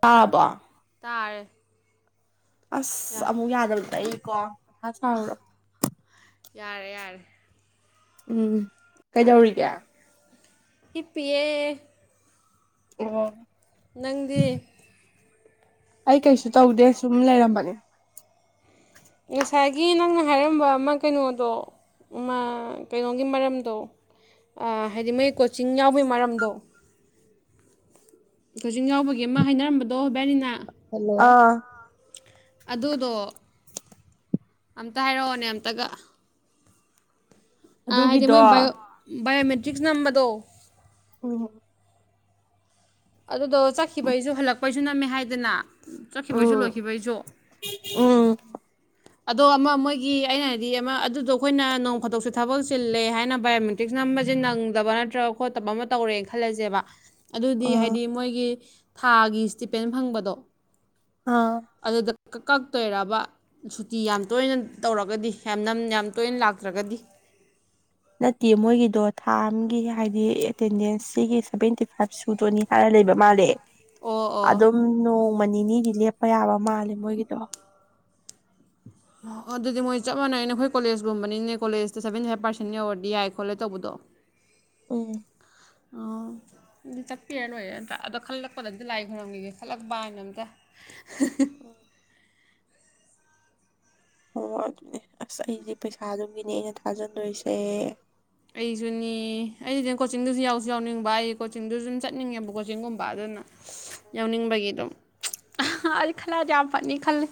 ꯇꯥꯕꫭ ꯇꯥꯔꯦ ꯑꯁ ꯌꯥ ꯑꯃꯨꯛ ꯌꯥꯗꯕꯗ ꯑꯩ ꯀꯥꯎꯟ ꯃꯊꯥ ꯁꯥꯔꯨꯔꯕ ꯌꯥꯔꯦ ꯌꯥꯔꯦ ꯎꯝ ꯀꯩꯗꯧꯔꯤꯒꯦ ꯍꯤꯞꯄꯤꯌꯦ ꯑꫭ ꯅꯪꯗꯤ ꯑꯩ ꯀꯩꯁꯨ ꯇꯧꯗꯦ ꯁꯨꯝ ꯂꯩꯔꯝꯕꯅꯦ ꯉꯁꯥꯏꯒꯤ ꯅꯪꯅ ꯍꯥꯏꯔꯝꯕ ꯑꯃ ꯀꯩꯅꯣꯗꯣ ꯃꯥ ꯀꯩꯅꯣꯒꯤ ꯃꯔꯝꯗꯣ ꯍꯥꯏꯗꯤ ꯃꯣꯏ ꯀꫭ ꯆꯤꯡ ꯌꯥꯎꯕꯩ ꯃꯔꯝꯗꯣ ꯀꫭꯆꯤꯡ ꯌꯥꯎꯕꯒꯤ ꯑꯃ ꯍꯥꯏꯅꯔꯝꯕꯗꯣ ꯕꯥꯏꯅꯤꯅ ꯍꯜꯂꫭ ꯑꯥ ꯑꯗꯨꯗꫭ ꯑꯝꯇ ꯍꯥꯏꯔꯛꯑꯣꯅꯦ ꯑꯝꯇꯒ ꯍꯥꯏꯗꯤ ꯑꯗꯨꯒꯤꯗꯣ ꯃꯣꯏ ꯕꯥꯏꯑꯣ ꯕꯥꯏꯑꯣꯃꯦꯇ꯭ꯔꯤꯛꯁ ꯅꯝꯕꯗꯣ ꯎꯝ ꯑꯗꯨꯗꯣ ꯆꯠꯈꯤꯕꯩꯁꯨ ꯍꯜꯂꯛꯄꯩꯁꯨ ꯅꯝꯃꯦ ꯍꯥꯏꯗꯅ ꯆꯠꯈꯤꯕꯩꯁꯨ ꯎꯝ ꯂꯣꯏꯈꯤꯕꯁꯨ ꯎꯝ ꯑꯗꯣ ꯑꯃ ꯃꯣꯏꯒꯤ ꯑꯩꯅ ꯍꯥꯏꯗꯤ ꯑꯃ ꯑꯗꯨꯗꯣ ꯑꯩꯈꯣꯏꯅ ꯅꯣꯡ ꯐꯥꯗꯣꯛꯁꯨ ꯊꯕꯛ ꯆꯤꯜꯂꯦ ꯍꯥꯏꯅ ꯕꯥꯏꯑꯣꯃꯦꯇ꯭ꯔꯤꯛꯁ ꯅꯝꯕꯁꯦ ꯅꯪꯗꯕ ꯅꯠꯇ꯭ꯔꯒ ꯈꯣꯠꯇꯕ ꯑꯃ ꯇꯧꯔꯦꯅ ꯈꯜꯂꯁꯦꯕ ꯑꯗꯨꯗꯤ ꯑ ꯍꯥꯏꯗꯤ ꯃꯣꯏꯒꯤ ꯊꯥꯒꯤ ꯁꯇꯤꯄꯦꯟ ꯐꯪꯕꯗꯣ ꯑꯥ ꯀ ꯀꯛꯇꯣꯏꯔꯥꯕ ꯁꯨꯇꯤ ꯌꯥꯝ ꯇꯣꯏꯅ ꯇꯧꯔꯒꯗꯤ ꯌꯥꯝ ꯅꯝ ꯌꯥꯝ ꯇꯣꯏꯅ ꯂꯥꯛꯇ꯭ꯔꯒꯗꯤ ꯅꯠꯇꯦ ꯃꯣꯏꯒꯤꯗꯣ ꯊꯥ ꯑꯃꯒꯤ ꯍꯥꯏꯗꯤ ꯑꯦꯇꯦꯟꯗꯦꯟꯁ ꯁꯤꯒꯤ ꯁꯚꯦꯟꯇꯤ ꯐꯥꯏꯚ ꯁꯨꯗꯣꯅꯤ ꯍꯥꯏꯔ ꯂꯩꯕ ꯃꯥꯂꯦ ꯑꯣ ꯑꯣ ꯑꯗꯨꯝ ꯅꫭꯡ ꯃ ꯅꯤꯅꯤꯗꯤ ꯂꯦꯞꯄ ꯌꯥꯕ ꯃꯥꯜꯂꯦ ꯃꯣꯏꯒꯤꯗꯣ ꯑꯣ ꯑꯗꯨꯗꯤ ꯃꯣꯏ ꯆꯞ ꯃꯥꯟꯅꯩꯅ ꯑꯩꯈꯣꯏ ꯀꯣꯂꯦꯖꯀꯨꯝꯕꯅꯤꯅꯦ ꯀꯣꯂꯦꯖꯇ ꯁꯕꯦꯟꯇꯤ ꯐꯥꯏꯚ ꯄꯥꯔꯁꯦꯟ ꯌꯧꯔꯗꯤ ꯌꯥꯏ ꯈꯣꯠꯂꯦ ꯇꯧꯕꯗꯣ [inaudible] ꯎꯝ ꯑꯥ ꯆꯠꯄꯤꯔ ꯂꫭꯏꯔꯦ ꯅꯠꯇ꯭ꯔ ꯑꯗꯣ ꯈꯜꯂꯛꯄꯗ ꯑꯝꯇ ꯂꯥꯏ ꯈꯣꯏꯔꯝꯈꯤꯒꯦ ꯈꯜꯂꯛꯄꯥ ꯍꯥꯏꯅ ꯑꯝꯇ [inaudible] ꯎꯝ ꯑꯣ ꯑꯗꯨꯅꯦ ꯑꯁ ꯑꯩꯁꯦ ꯄꯩꯁꯥ ꯑꯗꯨꯝꯒꯤꯅꯦ ꯑꯩꯅ ꯊꯥꯖꯟꯗꯣꯏꯁꯦ ꯑꯩꯗꯤ ꯀꯣꯆꯤꯡꯗꯨꯁꯨ ꯌꯥꯎꯁꯨ ꯌꯥꯎꯅꯤꯡꯕ ꯑꯩ ꯀꯣꯆꯤꯡꯗꯨꯁꯨ ꯑꯗꯨꯨꯝ ꯆꯠꯅꯤꯡꯉꯦꯕ ꯀꯣꯆꯤꯡꯒꯨꯝꯕ ꯑꯗꯨꯅ ꯌꯥꯎꯅꯤꯡꯕꯒꯤ ꯑꯗꯨꯝ ꯑꯩ ꯈꯜꯂ ꯑꯗꯤ ꯌꯥꯝ ꯐꯅꯤ ꯈꯜꯂꯦ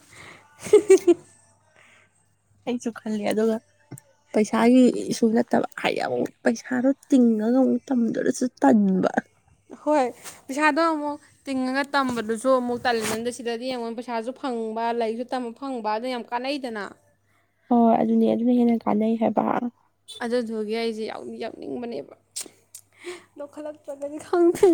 ꯑꯩꯁꯨ ꯈꯜꯂꯦ ꯑꯗꯨꯒ ꯄꯩꯁꯥꯒꯤꯁꯨ ꯅꯠꯇꯕ ꯍꯥꯏꯗꯤ ꯑꯃꯨꯛ ꯄꯩꯁꯥꯗꯣ ꯇꯤꯡꯉꯒ ꯇꯝꯗꫭꯔꯁꯨ ꯇꯟꯕ ꯍꯣꯏ ꯄꯩꯁꯥꯗꯣ ꯑꯃꯨꯛ ꯇꯤꯡꯉꯒ ꯇꯝꯕꯗꯨꯁꯨ ꯑꯃꯨꯛ ꯇꯜꯂꯤ [inaudible] ꯁꯤꯗꯗꯤ ꯌꯦꯡꯉꫭꯅ ꯄꯩꯁꯥꯁꯨ ꯐꯪ ꯐꯪꯕ ꯂꯥꯏꯔꯤꯛꯁꯨ ꯇꯝꯕ ꯐꯪꯕ ꯑꯗꯨꯅ ꯌꯥꯝ ꯀꯥꯟꯅꯩꯗꯅ ꯍꯣꯏ ꯑꯗꯨꯅꯦ ꯑꯗꯨꯅ ꯍꯦꯟꯅ ꯀꯥꯟꯅꯩ ꯍꯥꯏꯕ ꯑꯗꯨꯗꯨꯒꯤ ꯑꯩꯁꯦ ꯌꯥꯎꯅꯤꯡꯕꯅꯦꯕ ꯌꯣꯛꯈꯠꯂꯛꯇ꯭ꯔꯒꯗꯤ ꯈꯪꯗꯦ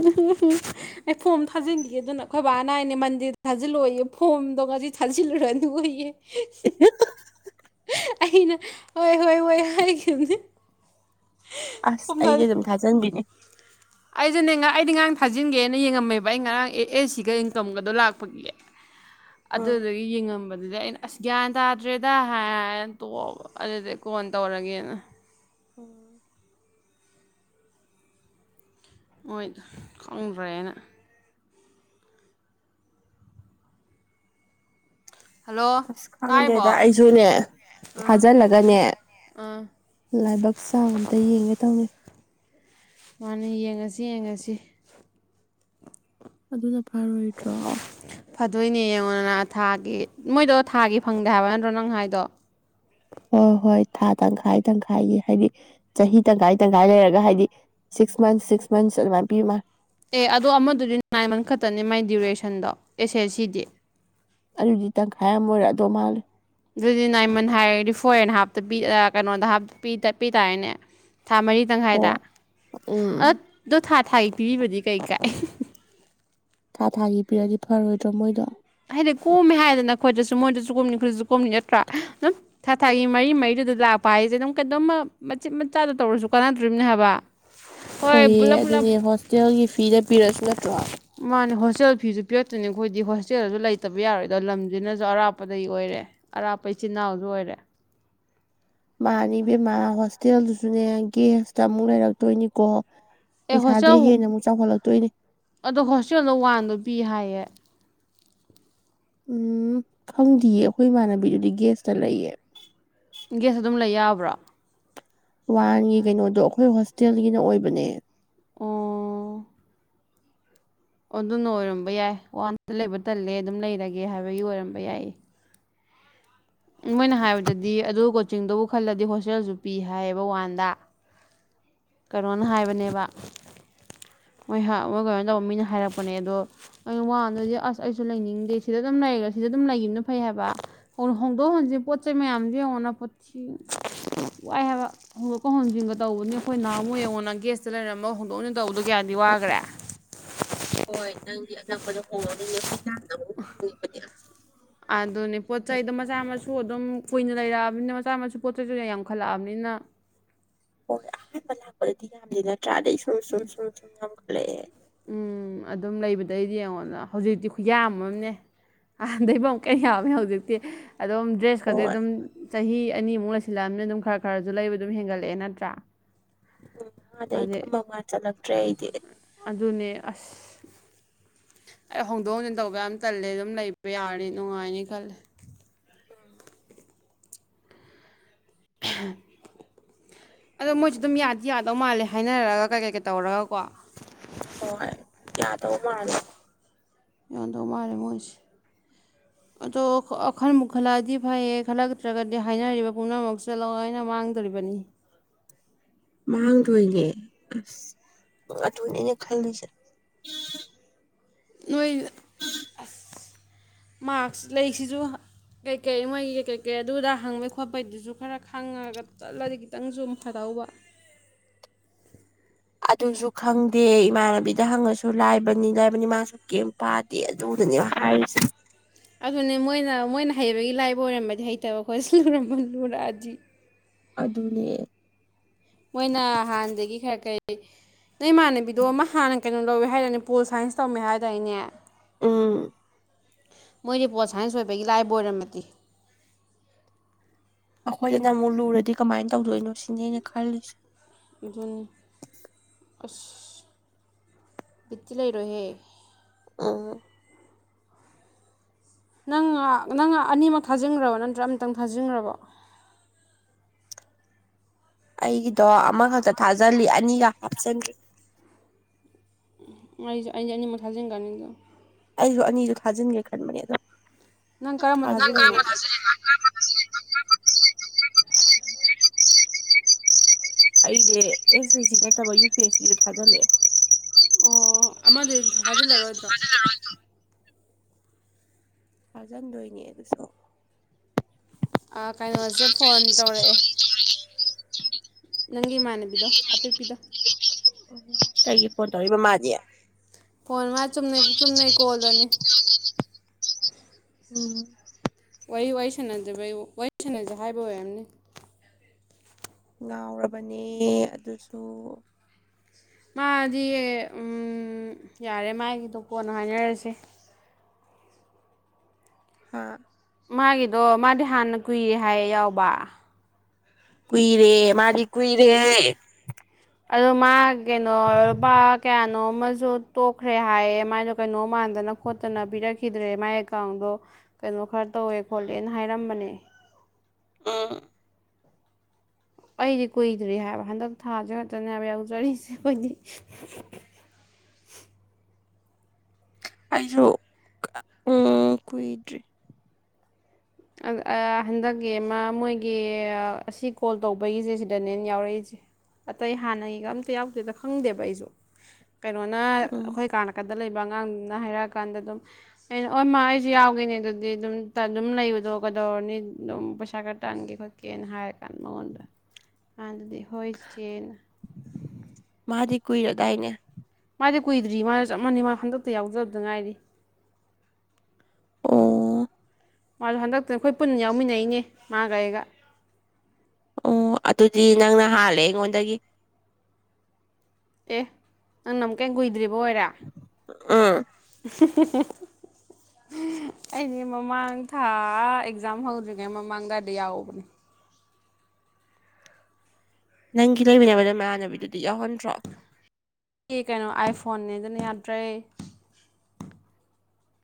ꯑꯩ ꯐꯣꯝ ꯊꯥꯖꯤꯟꯈꯤꯦ ꯑꯗꯨꯅ ꯑꯩꯈꯣꯏ ꯕꯥꯅꯏꯅꯦ ꯃꯟꯗꯤꯦꯗ ꯊ ꯊꯖꯤꯜꯂꯣꯏꯌꯦ ꯐꯣꯝꯗꯣꯒꯁꯤ ꯊꯥꯖꯤꯜꯂꯨꯔ ꯑꯗꯨ ꯑꯣꯏꯏꯌꯦ [unintelligible] ꯑꯩꯅ ꯍꯣꯏ ꯍꯣꯏ ꯍꯣꯏ ꯍꯥꯏꯈꯤꯕꯈꯤꯕꯅꯦ ꯑꯁ ꯑꯩꯗꯤ ꯑꯗꯨꯝ ꯊꯥꯖꯟꯕꯤꯅꯦ ꯑꯩꯁꯨꯅꯦ ꯑꯩꯗꯤ ꯉꯔꯥꯡ ꯊꯥꯖꯤꯟꯒꯦꯅ ꯌꯦꯡꯉꯝꯃꯦꯕ ꯑꯩ ꯉꯔꯥꯡ ꯑꯦ ꯑꯦꯁ ꯁꯤꯒ ꯏꯟꯀꯝꯒꯗꯣ ꯂꯥꯛꯄꯒꯤ ꯎꯝ ꯑꯗꯨꯗꯒꯤ ꯌꯦꯡꯉꯝꯕꯗ ꯑꯗꯨꯗꯤ ꯑꯩꯅ ꯑꯁ ꯒ꯭ꯌꯥꯟ ꯇꯥꯗ꯭ꯔꯦꯗ ꯍꯥꯏꯅ ꯇꯣꯛꯕ ꯑꯗꯨꯗꯤꯩ ꯀꯣꯟ ꯇꯧꯔꯒꯦꯅ ꯑꯣꯝ ꯍꯣꯏ ꯈꯪꯗ꯭ꯔꯦꯅ ꯍꯜꯂꯣ ꯑꯁ ꯇꯥꯔꯤꯕꯣ ꯈꯪꯗꯦꯗ ꯑꯩꯁꯨꯅꯦ ꯑꯥ ꯊꯥꯖꯤꯜꯂꯒꯅꯦ ꯑꯥ ꯂꯥꯏꯕꯛ ꯆꯥꯡ ꯑꯃꯝꯇ ꯌꯦꯡꯒꯦ ꯇꯧꯅꯤ ꯃꯥꯅꯤ ꯌꯦꯡꯉꯁꯤ ꯌꯦꯡꯉꯁꯤ ꯑꯗꯨꯅ ꯐꯥꯔꯣꯏꯗ꯭ꯔꯣ ꯐꯗꯣꯏꯅꯦ ꯌꯦꯡꯉꯣꯗꯅ ꯊꯥꯒꯤ ꯃꯣꯏꯗꯣ ꯊꯥꯒꯤ ꯐꯪꯗꯦ ꯍꯥꯏꯕ ꯅꯠꯇ꯭ꯔꯣ ꯅꯪ ꯍꯥꯏꯗꯣ ꯍꯣꯏ ꯍꯣꯏ ꯊꯥ ꯇꯪꯈꯥꯏ ꯇꯪꯈꯥꯏꯒꯤ ꯍꯥꯏꯗꯤ ꯆꯍꯤ ꯇꯪꯈꯥꯏ ꯇꯪꯈꯥꯏ ꯂꯩꯔꯒ ꯍꯥꯏꯗꯤ ꯁꯤꯛꯁ ꯃꯊꯁ ꯁꯤꯛꯁ ꯃꯟꯊꯁꯂꯝ ꯄꯤ ꯑꯦ ꯑꯗꯣ ꯑꯃꯗꯨꯗꯤ ꯅꯥꯏꯟ ꯃꯟ ꯈꯛꯇꯅꯦ ꯃꯥꯏ ꯗ꯭ꯌꯨꯔꯦꯁꯟꯗꯣ ꯑꯦꯁ ꯑꯦꯦꯁ ꯁꯤꯗꯤ ꯑꯗꯨꯗꯤ ꯇꯪꯈꯥꯏ ꯑꯃ ꯑꯣꯏꯔꯛꯑꯗꯧ ꯃꯥꯜꯂꯦ ꯑꯗꯨꯗꯤ ꯅꯥꯏꯃꯟ ꯍꯥꯏꯔ ꯗꯤ ꯐꯣꯔꯦꯟ ꯍꯥꯞꯇ ꯄꯤ ꯀꯩꯅꯣꯗ ꯍꯥꯞꯇ ꯇꯄꯤꯤ ꯇꯥꯔꯦꯅꯦ ꯊꯥ ꯃꯔꯤ ꯇꯪꯈꯥꯏꯗ ꯍꯣꯏ ꯑ ꯎꯝ ꯑꯗꯨꯣ ꯊꯥ ꯊꯥꯏ ꯄꯤꯕꯤꯕꯗꯤ ꯀꯩ ꯀꯥꯏ ꯊꯥ ꯊꯥꯒꯤ ꯄꯤꯔꯗꯤ ꯐꯔꯣꯏꯗ꯭ꯔꯣ ꯃꯣꯏꯗꯣ ꯍꯥꯏꯗꯤ ꯀꯣꯝꯃꯦ ꯍꯥꯏꯗꯅ ꯑꯩꯈꯣꯏꯗꯁꯨ ꯃꯣꯏꯗꯁꯨ ꯀꯣꯝꯅꯤ ꯑꯩꯈꯣꯏꯗꯁꯨ ꯀꯣꯝꯅꯤ ꯅꯠꯇ꯭ꯔꯥ ꯑꯗꯨꯝ ꯊꯥ ꯊꯥꯒꯤ ꯃꯔꯤ ꯃꯔꯤ ꯑꯗꯨꯗ ꯂꯥꯛꯄ ꯍꯥꯏꯁꯦ ꯑꯗꯨꯝ ꯀꯩꯣꯝ ꯃꯆꯦꯠ ꯃꯆꯥꯗꯣ ꯇꯧꯔꯁꯨ ꯀꯥꯟꯅꯗꯣꯔꯤꯕꯝꯅꯤ ꯍꯥꯏꯕ ꯍꯣꯏ ꯍꯣꯏꯌꯦ ꯄꯨꯂꯞ ꯄꯨꯂꯞ ꯑꯗꯨꯅꯦ ꯍꯣꯁꯇꯦꯜꯒꯤ ꯐꯤꯗ ꯄꯤꯔꯁꯨ ꯅꯠꯇ꯭ꯔꯣ ꯍꯣꯇꯦꯜ ꯐꯤꯁꯨ ꯄꯤꯔꯛꯇꯀꯅꯤ ꯑꯩꯣꯏꯗꯤ ꯍ ꯍꯛꯆꯦꯜꯁꯨ ꯂꯩꯇꯕ ꯌꯥꯔꯣꯏꯗꯣ ꯂꯝꯁꯤꯅꯁꯨ ꯑꯔꯥꯞꯄꯗꯒꯤ ꯑꯣꯏꯔꯦ ꯑꯔꯥꯞꯄ ꯏꯆꯤꯟꯜ ꯏꯅꯥꯎꯁꯨ ꯑꯣꯏꯔꯦ ꯃꯥꯅꯤ ꯏꯕꯦꯝꯃꯥ ꯍꯣꯁꯇꯦꯜꯗꯨꯁꯨꯅꯦ ꯒꯦꯁꯇ ꯑꯃꯨꯛ ꯂꯩꯔꯛꯇꯣꯏꯅꯤꯀꯣ ꯑꯦ ꯄꯩꯁꯥꯗꯩ ꯍꯣꯁꯇꯦꯜ ꯍꯦꯟꯅ ꯑꯃꯨꯛ ꯆꯥꯎꯈꯠꯂꯛꯇꯣꯏꯅꯤ ꯑꯗꯣ ꯍꯣꯁꯇꯦꯜꯅ ꯋꯥꯟꯗꯣ ꯄꯤ ꯍꯥꯏꯌꯦ ꯎꯝ ꯈꯪꯗꯌꯦ ꯑꯩꯈꯣꯏ ꯏꯃꯥꯟꯅꯕꯤꯗꯨꯗꯤ ꯒꯦꯁꯇ ꯂꯩꯌꯦ ꯒꯦꯁ ꯑꯗꯨꯝ ꯂꯩ ꯌꯥꯕ꯭ꯔ‌ꯣ ꯋꯥꯟꯒꯤ ꯀꯩꯅꯣꯗꯣ ꯑꯩꯈꯣꯏ ꯍꯣꯁꯇꯦꯜꯒꯤꯅ ꯑꯣꯏꯕꯅꯦ ꯑꯣ ꯑꯗꯨꯅ ꯑꯣꯏꯔꯝꯕ ꯌꯥꯏ ꯋꯥꯟꯗ ꯂꯩꯕ ꯇꯜꯂꯦ ꯑꯗꯨꯝ ꯂꯩꯔꯒꯦ ꯍꯥꯏꯕꯒꯤ ꯑꯣꯏꯔꯝꯕ ꯌꯥꯏ ꯃꯣꯏꯅ ꯍꯥꯏꯕꯗꯗꯤ ꯑꯗꯨ ꯀꯣꯆꯤꯡꯗꯨꯕꯨ ꯈꯜꯂꯗꯤ ꯍꯣꯁꯇꯦꯜꯁꯨ ꯄꯤ ꯍꯥꯏꯌꯦꯕ ꯋꯥꯟꯗ ꯀꯩꯅꯣꯅ ꯍꯥꯏꯕꯅꯦꯕ ꯃꯣꯏ ꯃꯣꯏ ꯀꯩꯅꯣꯅ ꯇꯧꯕ ꯃꯤꯅ ꯍꯥꯏꯔꯛꯄꯅꯦ ꯑꯗꯣ ꯑꯩꯅ ꯋꯥꯟꯗꯗꯤ ꯑꯁ ꯑꯩꯁꯨ ꯂꯩꯅꯤꯡꯗꯦ ꯁꯤꯗ ꯑꯗꯨꯝ ꯂꯩꯔ ꯁꯤꯗ ꯑꯗꯨꯝ ꯂꯩꯈꯤꯕꯅ ꯐꯩ ꯍꯥꯏꯕ ꯍꯣꯡꯗꯣꯛ ꯍ‌ꯣꯡꯖꯤꯟ ꯄꯣꯠ ꯆꯩ ꯃꯌꯥꯝꯗꯨ ꯌ‌ꯦꯡꯉ‌ꯣꯅ ꯄꯣꯠꯁꯤ ꯋꯥꯏ ꯍꯥꯏꯕ ꯍꯣꯡꯗꯣꯛꯀ ꯍꯣꯡꯣꯟꯖꯤꯟꯒ ꯇꯧꯕꯅꯤ ꯑꯩꯈꯣꯏ ꯅꯍꯥꯟ ꯑꯃꯨ ꯌ‌ꯦꯉꯣꯅ ꯒꯦꯁꯇ ꯂꯩꯔꯝꯕꯒ ꯍꯣꯡꯗꯣꯛ ꯍ‌ꯣꯡꯖꯤꯟ ꯇꯧꯕꯗ ꯀꯌꯥꯗꯤ ꯋꯥꯈ꯭ꯔꯦ ꯍꯣꯏ ꯅꯪꯗꯤ ꯑꯅꯛꯄꯗ ꯍꯣꯡꯉꯔꯣꯏꯅꯦ [inaudible] ꯑꯗꯨꯅꯤ ꯄꯣꯠ ꯆꯩ ꯗꯨ ꯃꯆꯥ ꯃꯁꯨ ꯁꯨ ꯑꯗꯨꯝ ꯀꯨꯏꯅ ꯂꯩꯔꯛꯑꯕꯅꯤꯅ ꯃꯆꯥ ꯃꯁꯨ ꯄꯣꯠ ꯆꯩꯁꯨ ꯌꯥꯝꯈꯠꯂꯛꯑꯕꯅꯤꯅ ꯍꯣꯏ ꯑꯍꯥꯟꯕ ꯂꯥꯛꯄꯗꯗꯤ ꯌꯥꯝꯗ ꯅꯠꯇ꯭ꯔꯥꯗꯩ ꯁꯨꯝ ꯁꯨꯝ ꯁꯨꯝ ꯁꯨꯝ ꯌꯥꯝꯈꯠꯂꯛꯑꯦ ꯎꯝ ꯑꯗꯨꯝ ꯂꯩꯕꯗꯩꯗꯤ ꯌꯦꯡꯉꯣꯟꯗ ꯍꯧꯖꯤꯛꯇꯤ ꯈꯨ ꯌꯥꯝ ꯑꯃꯅꯦ ꯍꯥꯟꯗꯩꯐꯝ ꯑꯃꯨꯛ ꯀꯩ ꯌꯥꯝꯃꯦ ꯍꯧꯖꯤꯛꯇꯤ ꯑꯗꯨꯝ ꯗ꯭ꯔꯦꯁ ꯈꯁꯦ ꯍꯣꯏ ꯑꯗꯨꯝ ꯆꯍꯤ ꯑꯅꯤꯃꯨꯛ ꯂꯩꯁꯤꯜꯂꯛꯑꯕꯅꯤ ꯑꯗꯨꯝ ꯈꯔ ꯈꯔꯁꯨ ꯂꯩꯕ ꯑꯗꯨꯝ ꯍꯦꯟꯒꯠꯂꯛꯑꯦ ꯅꯠꯇ꯭ꯔꯥ ꯎꯝ ꯑꯗꯩ ꯊꯝꯃ ꯋꯥ ꯆꯠꯂꯒꯦ ꯑꯗꯨꯅꯦ ꯑꯁ ꯑꯩ ꯍꯣꯡꯗꯣꯛ ꯍꯣꯡꯖꯤꯟ ꯇꯧꯕ ꯌꯥꯝ ꯇꯜꯂꯦ ꯑꯗꯨꯝ ꯂꯩꯕ ꯌꯥꯔꯅꯤ ꯅꯨꯡꯉꯥꯏꯅꯤ ꯈꯜꯂꯦ ꯎꯝ [unintelligible] ꯑꯗꯣ ꯃꯣꯏꯁꯨ ꯑꯗꯨꯝ ꯌꯥꯗꯤ ꯌꯥꯗꯧ ꯃꯥꯜꯂꯦ ꯍꯥꯏꯅꯔꯒ ꯀꯩꯀꯩꯀꯩ ꯇꯧꯔꯒꯀꯣ ꯍꯣꯏ ꯌꯥꯗꯧ ꯃꯥꯜꯂꯦ ꯌꯥꯗꯧ ꯃꯥꯜꯂ‌ꯦ ꯃ‌ꯣꯏꯁ‌ꯦ ꯑꯗꯣ ꯈꯟꯕꯨ ꯈꯜꯂꯛꯑꯗꯤ ꯐꯩꯌꯦ ꯈꯜꯂꯛꯇ꯭ꯔꯒꯗꯤ ꯍꯥꯏꯅꯔꯤꯕ ꯄꯨꯝꯅꯃꯛꯁ‌ꯦ ꯂ‌ꯣꯏꯅ ꯃꯥꯡꯗꯣꯔꯤꯕ ꯑꯅꯤ ꯃꯥꯡꯗ‌ꯣꯏꯅ‌ꯦ ꯑꯁ ꯑꯗꯨꯅꯦ ꯑꯩꯅ ꯈꯜꯂꯤꯁ‌ꯦ ꯅꯣꯏ ꯑꯁ ꯃꯥꯛꯁ ꯂꯩꯁꯤꯁꯨ ꯀꯩꯀꯩ ꯃꯣꯏꯒꯤ ꯀꯩ ꯀꯩꯀꯩ ꯑꯗꯨꯗ ꯍꯪꯕꯩ ꯈꯣꯠꯄꯩꯗꯨꯁꯨ ꯈꯔ ꯈꯪꯉꯒ ꯆꯠꯂꯗꯤ ꯈꯤꯇꯪꯁꯨ ꯐꯗꯧꯕ [inaudible] ꯑꯗꯨꯁꯨ ꯈꯪꯗꯦ ꯏꯃꯥꯟꯅꯕꯤꯗ ꯍꯪꯉꯁꯨ ꯂꯥꯏꯕꯅꯤ ꯂꯥꯏꯕꯅꯤ ꯃꯥꯁꯨ ꯀꯦꯝꯝ ꯄꯥꯗꯦ ꯑꯗꯨꯗꯨꯅꯦ ꯍꯥꯏꯔꯤꯁꯤ ꯑꯗꯨꯅꯦ ꯃꯣꯏꯅ ꯃꯣꯏꯅ ꯍꯩꯕꯒꯤ ꯂꯥꯏꯕ ꯑꯣꯏꯔꯝꯃꯗꯤ ꯍꯩꯇꯕ ꯑꯈꯣꯏꯗꯤ ꯂꯨꯔꯝꯕ ꯂꯨꯔꯛꯑꯗꯤ ꯑꯗꯨꯅꯦ ꯃꯣꯏꯅ ꯍꯥꯟꯅꯗꯒꯤ ꯈꯔ ꯈꯔ ꯀꯔꯤ ꯅ‌ꯣꯏ ꯏꯃꯥꯟꯅꯕꯤꯗꯣ ꯑꯃ ꯍꯥꯟꯅ ꯀꯩꯅꯣ ꯂꯧꯋꯦ ꯍꯥꯏꯗꯥꯏꯅ‌ꯦ ꯄꯣꯜ ꯁꯥꯏꯟꯁ ꯇꯝꯃꯦ ꯍꯥꯏꯗꯥꯏꯅ‌ꯦ ꯎꯝ ꯃꯣꯏꯗꯤ ꯄꯣꯜ ꯁꯥꯏꯟꯁ ꯑ‌ꯣꯏꯕꯒꯤ ꯂꯥꯏꯕ ꯑꯣꯏꯔꯝꯃꯗꯤ ꯑꯩꯈꯣꯏꯗ ꯅ ꯑꯃꯨꯛ ꯂꯨꯔꯗꯤ ꯀꯃꯥꯏꯅ ꯇꯧꯗꯣꯏꯅꯣ ꯁꯤꯅꯤ ꯑꯩꯅ ꯈꯜꯂꯤꯁꯦ ꯑꯗꯨꯅꯤ ꯑꯁ ꯕꯤꯠꯇꯤ ꯂꯩꯔ‌ꯣꯏꯍꯦ ꯑ ꯅꯪꯅ ꯅꯪꯅ ꯑꯅꯤꯃꯛ ꯊꯥꯖꯤꯟꯒ꯭ꯔꯕ ꯅꯠꯇ꯭ꯔ ꯑꯃꯇꯪ ꯊꯥꯖꯤꯟꯒ꯭ꯔꯕ‌ꯣ ꯑꯩꯒꯤꯗꯣ ꯑꯃꯈꯛꯇ ꯊꯥꯖꯤꯜꯂꯤ ꯑꯅꯤꯒ ꯍꯥꯞꯆꯤꯟꯒ ꯑꯩꯁꯨ ꯑꯩꯩꯗꯤ ꯑꯅꯤꯃꯛ ꯊꯖꯤꯟꯒꯥꯅꯤꯗꯣ ꯑꯩꯁꯨ ꯑꯅꯤꯗ ꯊꯥꯖꯤꯟꯒꯦ ꯈꯟꯕꯅꯦ ꯑꯗꯣ ꯅꯪ ꯀꯔꯝꯕ ꯅꯪ ꯊꯥꯖꯤꯜꯂꯤꯅꯣ ꯀꯔꯝꯕ ꯊꯥꯖꯤꯜꯂꯤꯕ [unintelligible] ꯑꯩꯁꯦ ꯑꯦꯁ ꯑꯦꯁ ꯁꯤ ꯅꯠꯇꯕ ꯌꯨ ꯄꯤ ꯑꯦꯁ ꯁꯤꯗ ꯊꯥꯒꯠꯂꯛꯑꯦ ꯑꯣ ꯑꯃꯗꯤ ꯍ ꯊꯥꯖꯤꯜꯂꯔꯣꯏꯗ꯭ꯔꯣ ꯑꯗꯨ ꯍ ꯑꯣꯏꯁꯨ ꯊꯥꯖꯤꯟꯗꯣꯏꯅꯦ ꯑꯗꯨꯁꯨ ꯀꯩꯅꯣꯁꯦ ꯐꯣꯟ ꯇꯧꯔꯛꯑꯦ ꯅꯪꯒꯤꯃꯥꯟꯅꯕꯤꯗꯣ ꯑꯄꯤꯦꯄꯤꯗ ꯑꯩꯒꯤ ꯐꯣꯟ ꯇꯧꯛꯏꯕ ꯃꯥꯅꯦꯦ ꯐꯣꯟ ꯃꯥꯩ ꯆꯨꯝꯅꯩ ꯀꯣꯜꯂꯅꯤ ꯎꯝ ꯋꯥꯔꯤ ꯋꯥ ꯁꯥꯟꯅꯖꯕ ꯋꯥꯔꯤ ꯁꯥꯟꯅꯖꯦ ꯍꯥꯏꯕ ꯑꯣꯏꯔꯝꯅꯤ ꯌꯥꯥꯎꯔꯕꯅꯦ ꯑꯗꯨꯁꯨ ꯃꯥꯗꯤ ꯌꯥꯔꯦ ꯃꯥꯒꯤꯗꯣ ꯀꯣꯟꯠꯅꯣ ꯍꯥꯏꯅꯔꯁꯦ ꯍꯥ ꯃꯥꯒꯤꯗꯣ ꯃꯥꯗꯤ ꯍꯥꯟꯅ ꯀꯨꯏꯔꯦ ꯍꯥꯏ ꯌꯥꯎꯕ ꯀꯨꯏꯔꯦ ꯃꯥꯔꯤ ꯀꯨꯏꯔꯦ ꯑꯗꯨ ꯃꯥ ꯀꯩꯅꯣꯕ ꯀꯌꯥꯅꯣ ꯑꯃꯁꯨ ꯇꯣꯛꯈ꯭ꯔꯦ ꯍꯥꯏꯌꯦ ꯃꯥꯏꯅꯣ ꯀꯩꯅꯣ ꯃꯥꯟꯗꯅ ꯈꯣꯠꯇꯅ ꯄꯤꯔꯛꯈꯤꯗ꯭ꯔꯦ ꯃꯥꯏ ꯑꯦꯀꯥꯎꯟꯗꯣ ꯑꯗꯣ ꯀꯩꯅꯣ ꯈꯔ ꯇꯧꯋꯦ ꯈꯣꯠꯂꯦꯅ ꯍꯥꯏꯔꯝꯕꯅꯦ ꯑꯥ ꯑꯩꯗꯤ ꯀꯨꯏꯗ꯭ꯔꯤ ꯍꯥꯏꯕ ꯍꯟꯗꯛ ꯊꯥꯁꯤ ꯉꯥꯛꯛꯇꯅꯦꯕ ꯌꯥꯎꯖꯔꯤꯁꯦ ꯑꯩꯈꯣꯏꯗꯤ [inaudible] ꯑꯩꯁꯨ ꯎ ꯀꯨꯏꯗ꯭ꯔꯤ ꯍꯟꯗꯛꯀꯤ ꯑꯃ ꯃꯣꯏꯒꯤ ꯑꯁꯤ ꯀꯣꯜ ꯇꯧꯕꯒꯤꯁꯦ ꯁꯤꯗꯅꯦꯅ ꯌꯥꯎꯔꯛꯏꯁꯦ ꯑꯇꯩ ꯍꯥꯟꯅꯒꯤꯒ ꯑꯝꯇ ꯌꯥꯎꯗꯦꯗ ꯈꯪꯗꯦꯕ ꯑꯩꯁꯨ ꯀꯩꯅꯣꯅ ꯎꯝ ꯑꯩꯈꯣꯏ ꯀꯥꯅ ꯂꯩꯕ ꯑꯉꯥꯡꯗꯨ ꯍꯥꯏꯔꯛꯑꯀꯥꯟꯗ ꯑꯗꯨꯝ ꯑꯩꯅ ꯍ ꯃꯥ ꯑꯩꯁꯨ ꯌꯥꯎꯈꯤꯅꯦ ꯑꯗꯨꯗꯤ ꯑꯗꯨꯝꯝ ꯂꯩ ꯑꯗꯨ ꯀꯩꯗꯧꯔꯅꯤ ꯑꯗꯨꯝ ꯄꯩꯁꯥ ꯈꯔ ꯇꯥꯟꯒꯦ ꯈꯣꯠꯀꯦꯅ ꯍꯥꯏꯔ ꯀꯥꯟꯗ ꯃꯉꯣꯟꯗ ꯑ ꯑꯗꯨꯗꯤ ꯍ ꯆꯦꯜ ꯃꯥꯗꯤ ꯀꯨꯏꯔꯗꯥꯏꯅꯦ ꯃꯥꯗꯤ ꯀꯨꯏꯗ꯭ꯔꯤ ꯃꯥꯅ ꯆꯞ ꯃꯥꯟꯅꯩ ꯃꯥ ꯍꯟꯗꯛꯇ ꯌꯥꯎꯖꯕꯗ ꯉꯥꯏꯔꯤ ꯑꯣ ꯃꯥꯁꯨ ꯍꯟꯗꯛꯇꯅ ꯑꯩꯈꯣꯏ ꯄꯨꯟꯅ ꯌꯥꯎꯃꯤꯟꯅꯩꯅꯦ ꯃꯥꯒꯩꯒ ꯑꯣ ꯑꯗꯨꯗꯤ ꯅꯪꯅ ꯍꯥꯜꯂꯦ ꯑꯩꯉꯣꯟꯗꯒꯤ ꯑꯦ ꯅꯪꯅ ꯑꯃꯨꯛꯀꯩ ꯀꯨꯏꯗ꯭ꯔꯤꯕ ꯑꯣꯏꯔꯦ ꯎꯝ [unintelligible] ꯑꯩꯗꯤ ꯃꯃꯥꯡ ꯊꯥ ꯑꯦꯛꯖꯥꯝ ꯍꯧꯗ꯭ꯔꯤꯉꯩ ꯃꯃꯥꯡꯗꯏꯗ ꯌꯥꯎꯕꯅꯦ ꯅꯪꯒꯤ ꯂꯩꯃꯤꯟꯅꯕꯗ ꯃꯃꯅꯕꯤꯗꯨꯗꯤ ꯌꯥꯎꯍꯟꯗ꯭ꯔꯣ ꯑꯩꯒꯤ ꯀꯩꯅꯣ ꯑꯥꯏꯐꯣꯟꯅꯦ ꯑꯗꯨꯅ ꯌꯥꯗ꯭ꯔꯦ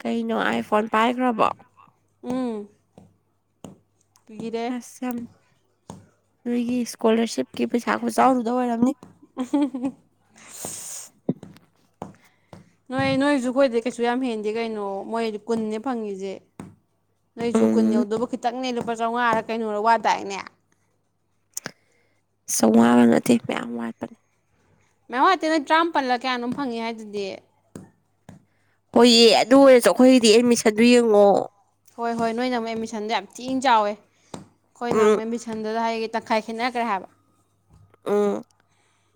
ꯀꯩꯅꯣ ꯑꯥꯏ ꯐꯣꯟ ꯄꯥꯏꯈ꯭ꯔꯕꯣ ꯎꯝ ꯂꯤꯔꯦ ꯑꯁ ꯌꯥꯝ ꯑꯗꯨꯒꯤ ꯏꯁꯀꯣꯂꯔꯁꯤꯞꯀꯤ ꯄꯩꯁꯥꯀ ꯆꯥꯎꯔꯨꯗ ꯑꯣꯏꯔꯝꯅꯤ ꯅꯣꯏ ꯅꯣꯏꯖꯨ ꯀꯣꯏ ꯗ ꯀꯩꯁꯨ ꯌꯥꯝ ꯍꯦꯟꯗꯦ ꯀꯩꯅꯣ ꯃꯣꯏ ꯀꯨꯟꯅꯦ ꯐꯪꯉꯁꯦ ꯅꯣꯏꯁꯨ ꯀꯨꯟ ꯎꯝ ꯌꯧꯗꯕ ꯈꯤꯇꯪꯅꯦ ꯂꯨꯄꯥ ꯆꯥꯃꯉꯥꯗ ꯀꯩꯅꯣꯗ ꯋꯥꯗꯥꯏꯅꯦ ꯆꯋꯥꯕ ꯅꯠꯇꯦ ꯃꯌꯥꯝ ꯋꯥꯠꯄꯅꯦ ꯃꯦꯝꯡ ꯍꯥꯇꯦ ꯅ ꯇꯔꯥꯃꯥꯄꯜꯂ ꯀꯌꯥꯅꯣꯝ ꯐꯪꯉꯤ ꯍꯥꯏꯗꯨꯗꯤ ꯍꯣꯏꯌꯦ ꯑꯗꯨ ꯑꯣꯏꯔꯁꯨ ꯑꯩꯈꯣꯏꯒꯤꯗꯤ ꯑꯦꯗꯃꯤꯁꯟꯗꯨ ꯌꯦꯡꯉꯣ ꯍꯣꯏ ꯍꯣꯏ ꯅꯣꯏꯅ ꯑꯃꯨꯛ ꯑꯦꯠꯃꯤꯁꯟꯗꯣ ꯌꯥꯝ ꯊꯤꯅ ꯆꯥꯎꯋꯦ ꯑꯩꯈꯣꯏꯅ ꯎꯝ ꯑꯃꯨꯛ ꯑꯦꯠꯃꯤꯁꯟꯗꯨꯗ ꯍꯥꯏꯒꯦ ꯇ ꯈꯥꯏꯈꯤꯅꯒ ꯍꯥꯏꯕ ꯎꯝ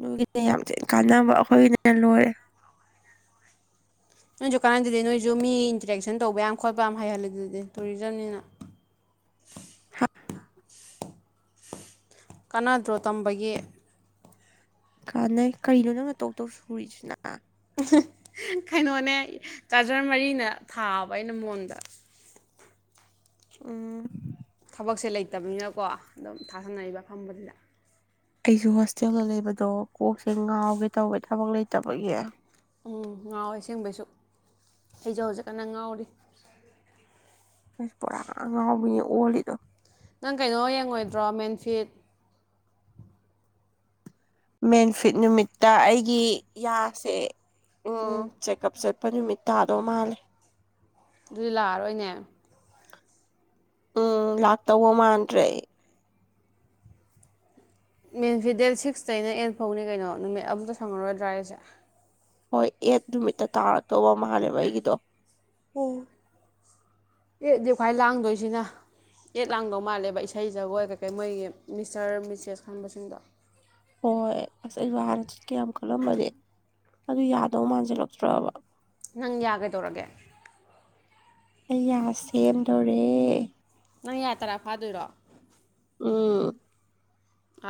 ꯑꯗꯨꯒꯤꯅꯦ ꯌꯥꯝ ꯊ ꯀꯥꯟꯅꯕ ꯑꯩꯈꯣꯏꯒꯤꯅ ꯂꯣꯏꯔꯦ [unintelligible] ꯅꯣꯏꯁꯨ ꯀꯥꯟꯅꯗꯗꯤ ꯅꯣꯏꯁꯨ ꯃꯤ ꯏꯟꯇꯔꯦꯛꯁꯟ ꯇꯧꯕ ꯌꯥꯝ ꯈꯣꯠꯄ ꯌꯥꯝ ꯍꯩꯍꯜꯂꯦ ꯑꯗꯨꯗꯤ ꯇꯨꯔꯤꯖꯝꯅꯤꯅ [unintelligible] ꯍꯥ ꯀꯥꯟꯅꯗ꯭ꯔꯣ ꯇꯝꯕꯒꯤꯦ ꯀꯥꯟꯅꯩ ꯀꯔꯤꯅꯣ ꯅꯪꯅ ꯇꯧ ꯇꯧ ꯁꯨꯔꯤꯁꯤꯅ ꯀꯩꯅꯣꯅꯦ ꯆꯥꯔꯖꯔ ꯃꯔꯤꯅ ꯊꯥꯕ ꯑꯩꯅ ꯃꯣꯟꯗ ꯎꯝ ꯊꯕꯛꯁꯦ ꯂꯩꯇꯕꯅꯤꯅꯀꯣ ꯑꯗꯨꯝ ꯊꯥꯥꯁꯅꯔꯤꯕ ꯐꯗꯨꯗ ꯑꯩꯁꯨ ꯍꯣꯁꯇꯦꯜꯗ ꯂꯩꯕꯗꯣ ꯀꯣꯛꯁꯦ ꯉꯥꯎꯒꯦ ꯇꯧꯋꯦ ꯊꯕꯛ ꯂꯩꯇꯕꯒꯤ ꯎꯝ ꯉꯥꯎꯋꯦ ꯑꯁꯦꯡꯕꯩꯁꯨ ꯑꯩꯁꯨ ꯍꯧꯖꯤꯛ ꯀꯟꯅ ꯉꯥꯎꯔꯤ ꯑꯁ ꯕꯣꯔꯥ ꯉ ꯉꯥꯎꯕꯅꯤ ꯑꯣꯜꯂꯤꯗꯣ ꯅꯪ ꯀꯩꯅꯣ ꯌꯦꯡꯉꯣꯏꯗ꯭ꯔꯣ ꯃꯦꯟꯐꯤꯠ ꯃꯦꯟ ꯐꯤꯠ ꯅꯨꯃꯤꯠꯇ ꯑꯩꯒꯤ ꯌꯥꯁꯦ ꯎꯝ ꯆꯦꯛꯑꯞ ꯆꯠꯄ ꯂꯨꯄ ꯅꯨꯃꯤꯠ ꯇꯥꯗꯧ ꯃꯥꯜꯂꯦ ꯑꯗꯨꯗꯤ ꯂꯥꯛꯑꯔꯣꯏꯅꯦ ꯎꯝ ꯂꯥꯛꯇꯧꯕ ꯃꯥꯟꯗ꯭ꯔꯦ ꯃꯦꯟꯁꯤ ꯗꯦꯠ ꯁꯤꯛꯁꯇꯩꯅ ꯑꯦꯟ ꯐꯧꯅꯤ ꯀꯩꯅꯣ ꯅꯨꯃꯤꯠ ꯑꯃꯨꯛꯇ ꯁꯪꯉꯔꯣꯏꯗ꯭ꯔꯥ ꯍꯥꯏꯁꯦ ꯍꯣꯏ ꯑꯦꯠ ꯅꯨꯃꯤꯠꯇ ꯇꯥꯔꯛꯇꯧꯕ ꯃꯥꯜꯂꯦꯕ ꯑꯩꯒꯤꯗꯣ ꯎ ꯑꯦꯗꯤ ꯈ꯭ꯥꯏ ꯂꯥꯡꯗꯣꯏꯁꯤꯅ ꯑꯦꯠ ꯂꯥꯡꯗꯧ ꯃꯥꯜꯂꯦꯕ ꯏꯁꯩ ꯖꯒꯣꯏ ꯀꯩꯀꯩ ꯃꯣꯏꯒꯤ ꯃꯤꯁꯇꯔ ꯃꯤꯁꯦꯁ ꯈꯟꯕꯁꯤꯡꯗꯣ ꯍꯣꯏꯣꯏ ꯑꯁ ꯑꯩ ꯋꯥꯅ ꯆꯠ ꯀꯌꯥꯝ ꯈꯜꯂꯝꯃꯒꯦ ꯑꯗꯨ ꯌꯥꯗꯧ ꯃꯥꯟꯁꯤꯜꯂꯛꯇ꯭ꯔꯕ ꯅꯪ ꯌꯥꯒꯗꯧꯔꯒꯦ ꯑꯩꯌꯥ ꯁꯦꯝꯗꯣꯔꯦ ꯅꯪ ꯌꯥꯌꯥ ꯇꯔꯥ ꯐꯥꯗꯣꯏꯔꯣ ꯎꯝ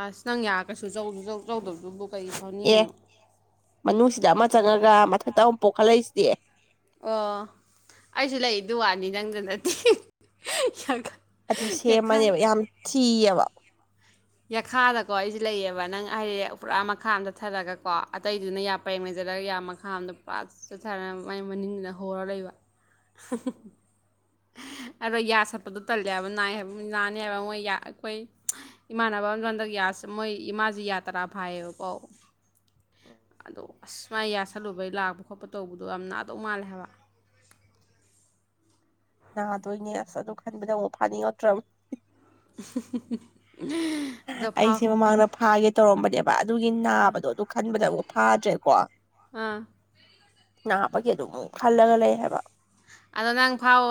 ꯑꯁ ꯅꯪ ꯌꯥꯔꯒꯁꯨꯧ ꯌꯧꯗꯕꯁꯨ ꯕꯨ ꯑꯦ ꯃꯅꯨꯡꯁꯤꯗ ꯑꯃ ꯆꯪꯉꯒ ꯃꯊꯛꯇ ꯑꯃꯨꯛ ꯄꯣꯛꯈꯠꯂꯛꯏꯁꯤꯗꯤ ꯑꯣ ꯑꯩꯁꯨ ꯂꯩ ꯋꯥꯅꯤ ꯅꯪꯗ ꯅꯠꯇꯦ ꯌꯥꯝ ꯑꯗꯨ ꯁꯦꯝꯃꯅꯦꯕ ꯌꯥꯝ ꯆꯤꯑꯕ ꯌꯥꯈꯥꯗꯀꯣ ꯑꯩꯁꯦ ꯂꯩꯑꯕ ꯅꯪ ꯍꯥꯏꯗꯤ ꯄꯨꯔꯥ ꯃꯈꯥ ꯑꯃ ꯆꯠꯊꯔꯒꯀꯣ ꯑꯇꯩꯗꯨꯅ ꯌꯥ ꯄꯩꯡꯉꯩꯖ ꯆꯠꯂꯒ ꯌꯥꯝ ꯃꯈꯥ ꯑꯗ ꯄꯥꯛ ꯆꯠꯊꯔꯒ ꯃꯥꯏ ꯃꯅꯤꯡꯗꯅ ꯍꯔ ꯂꯩꯕ ꯎ ꯑꯗꯣ ꯌꯥ ꯁꯠꯄꯗꯨ ꯇꯜꯂꯦ ꯍꯥꯏꯕ ꯅꯥꯏ ꯍꯥꯏꯕ ꯅꯥꯅꯤ ꯍꯥꯏꯕ ꯃꯣꯏ ꯑꯩꯈꯣꯏ ꯏꯃꯥꯟꯅꯕ ꯑꯃ ꯂꯣꯗ ꯌꯥꯎ ꯑꯁ ꯃꯣꯏ ꯏꯃꯥꯥꯁꯦ ꯌꯥꯇ꯭ꯔꯥ ꯐꯥꯏꯌꯦꯕꯀꯣ ꯑꯗꯣ ꯑꯁ ꯃꯥꯥꯏ ꯌꯥꯁꯜꯂꯨꯕꯩ ꯂꯥꯛꯄ ꯈꯣꯠꯄ ꯇꯧꯕꯗꯣ ꯌꯥꯝ ꯅꯥꯗꯧ ꯃꯥꯜꯂꯦ ꯍꯥꯏꯕ ꯅꯥꯗꯣꯏꯅꯦ ꯑꯁ ꯑꯗꯨ ꯈꯟꯕꯗ ꯑꯃꯨꯛ ꯐꯥꯅꯤꯉꯣꯠꯇ꯭ꯔꯕ [inaudible] [inaudible] ꯑꯗꯣ ꯐꯥꯎ ꯑꯩꯁꯦ ꯃꯃꯥꯡꯗ ꯐꯥꯒꯦ ꯇꯧꯔꯝꯕꯅꯦꯕ ꯑꯗꯨꯒꯤ ꯅꯥꯕꯗꯣ ꯑꯗꯨ ꯈꯟꯕꯗ ꯑꯃꯛ ꯊꯥꯖꯦꯀꯣ ꯑꯥ ꯒꯤ ꯑꯗꯨꯝ ꯈꯜꯂꯒ ꯂꯩ ꯍꯥꯏꯕ ꯑꯗꯣ ꯅꯪ ꯐꯥꯎ